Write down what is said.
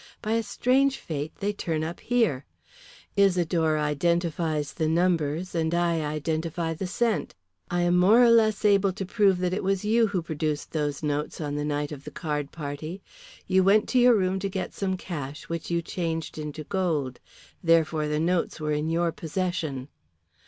By a strange fate they turn up here. Isidore identifies the numbers and I identify the scent. I am more or less able to prove that it was you who produced those notes the night of the card party. You went to your room to get some cash which you changed into gold. Therefore the notes were in your possession."